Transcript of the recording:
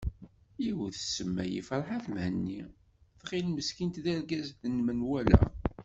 Yiwet tsemma-yi ferḥat Mhenni tɣil meskint d argaz n menwala.